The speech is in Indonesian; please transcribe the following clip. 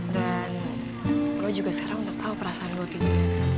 dan lo juga sekarang tau perasaan gue gitu